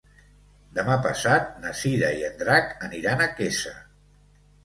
Demà passat na Cira i en Drac aniran a Quesa.